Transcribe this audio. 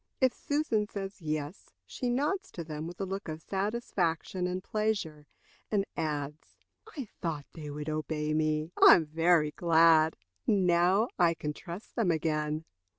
If Susan says yes, she nods to them, with a look of satisfaction and pleasure, and adds: "I thought they would obey me. I am very glad. Now I can trust them again."